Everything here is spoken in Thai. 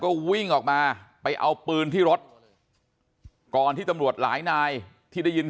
ก็วิ่งออกมาไปเอาปืนที่รถก่อนที่ตำรวจหลายนายที่ได้ยิน